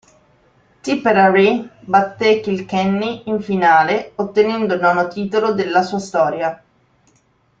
Tipperary batté Kilkenny in finale, ottenendo il nono titolo della sua storia.